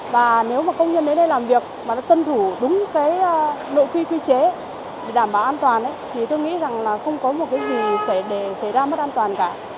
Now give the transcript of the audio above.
và nếu mà công nhân đến đây làm việc mà nó tuân thủ đúng cái nội quy quy chế để đảm bảo an toàn thì tôi nghĩ rằng là không có một cái gì để xảy ra mất an toàn cả